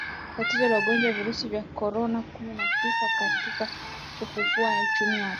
tatizo la ugonjwa wa virusi vya Korona kumi na tisa katika kufufua uchumi wa taifa